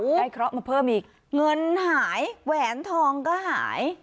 เคราะห์มาเพิ่มอีกเงินหายแหวนทองก็หาย